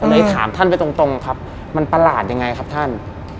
เลยถามท่านไปตรงครับมันประหลาดยังไงครับท่าน